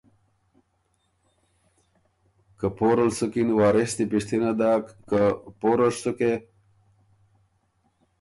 که پوره ل سُکِن وارث دی پِشتِنه داک که ”پوره ر سُکې؟“